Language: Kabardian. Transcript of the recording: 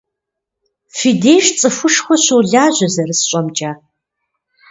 Фи деж цӀыхушхуэ щолажьэ, зэрысщӀэмкӀэ.